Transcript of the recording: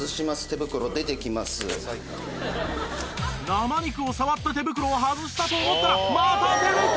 生肉を触った手袋を外したと思ったらまた手袋！